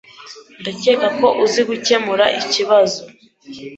Ndakeka ko uzi gukemura ikibazo .